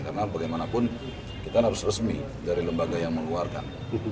karena bagaimanapun kita harus resmi dari lembaga yang mengeluarkan